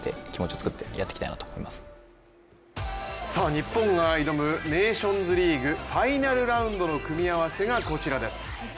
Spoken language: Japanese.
日本が挑むネーションズリーグファイナルラウンドの組み合わせがこちらです。